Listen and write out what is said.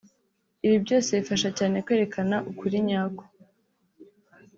ibi byose bifasha cyane kwerekana ukuri nyako